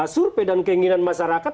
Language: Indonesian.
surpe dan keinginan masyarakat